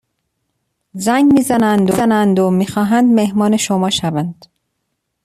زنگ می زنند و می خواهند مهمان شما شوند.